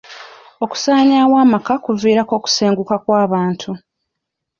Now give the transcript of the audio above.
Okusaanyaawo amaka kuviirako okusenguka kw'abantu.